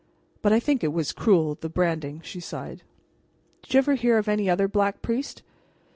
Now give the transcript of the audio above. But I think it was cruel, the branding," she sighed. "Did you ever hear of any other Black Priest?"